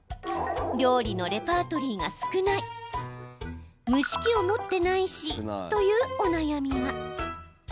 料理のレパートリーが少ない蒸し器を持ってないしというお悩みが。